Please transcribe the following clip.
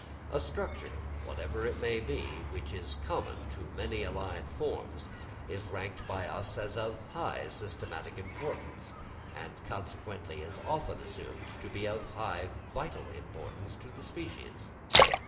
A structure, whatever it may be, which is common to many allied forms, is ranked by us as of high systematic importance, and consequently is often assumed to be of high vital importance to the species.